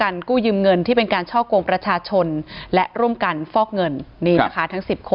อยู่ไม่น้อยนะอยู่๖๖ค่ะ๑๗๕๔อะไรอย่างนี้